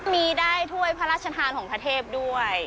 มีได้ถ้วยพระราชทานของพระเทพด้วย